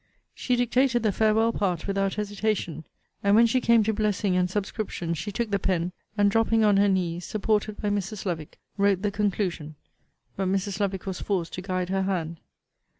She dictated the farewell part without hesitation; and when she came to blessing and subscription, she took the pen, and dropping on her knees, supported by Mrs. Lovick, wrote the conclusion; but Mrs. Lovick was forced to guide her hand.